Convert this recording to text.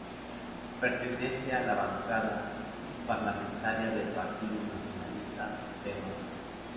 Pertenece a la bancada parlamentaria del Partido Nacionalista Peruano.